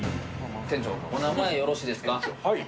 店長、お名前よろしいですか？